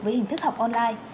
với hình thức học online